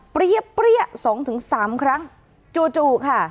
เปรี้ย๒๓ครั้งจู่ค่ะ